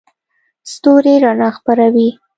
ستوري رڼا خپروي.